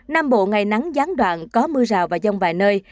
nam bộ ngày nắng gián đoạn có mưa rào và rông vài nơi